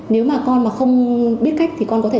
nếu mà con mà không biết cách thì con có thể